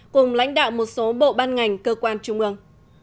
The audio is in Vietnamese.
cùng lãnh đạo một số bộ ban ngành cơ quan trung ương